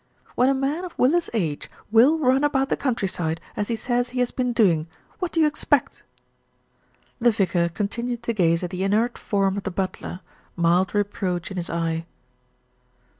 "When a man of Willis' age will run about the country side as he says he has been doing, what do you ex pect?" The vicar continued to gaze at the inert form of the butler, mild reproach in his eye.